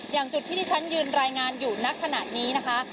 อย่างจุดที่ที่ฉันยืนรายงานอยู่ณขณะนี้นะคะ